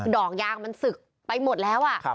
ดอกยางมันสึกไปหมดแล้ว